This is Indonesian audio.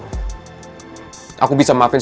dengan mama bantuin aku